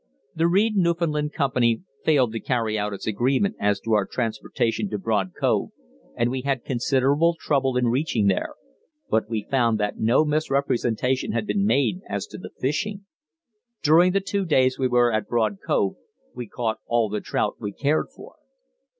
The Reid Newfoundland Company failed to carry out its agreement as to our transportation to Broad Cove, and we had considerable trouble in reaching there, but we found that no misrepresentation had been made as to the fishing; during the two days we were at Broad Cove we caught all the trout we cared for.